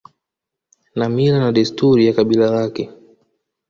na mila na desturi ya kabila lake